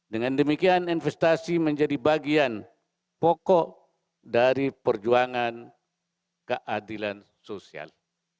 dengan demikian investasi menjadi bagian pokok dari perjuangan keadilan sosial